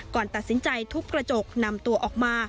ก่อนตัดสินใจทุบกระจกนำตัวออกมา